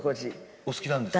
お好きなんですか？